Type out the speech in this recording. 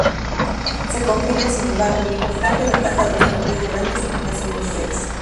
Se confirma, sin embargo, la importante ventaja de los partidos grandes en las europeas.